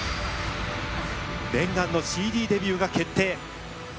念願のＣＤデビューが決定！